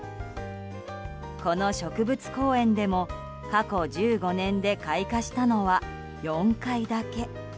この植物公園でも、過去１５年で開花したのは４回だけ。